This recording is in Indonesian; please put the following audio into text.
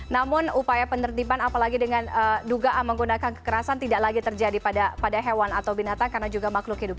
namun upaya penertiban apalagi dengan dugaan menggunakan kekerasan tidak lagi terjadi pada hewan atau binatang karena juga makhluk hidup